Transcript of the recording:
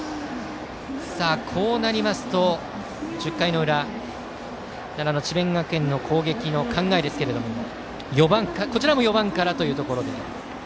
こうなりますと、１０回の裏奈良の智弁学園の攻撃の考えですがこちらも４番からということです。